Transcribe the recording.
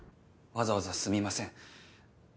わざわざすみません。